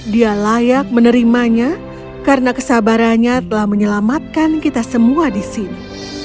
dia layak menerimanya karena kesabarannya telah menyelamatkan kita semua di sini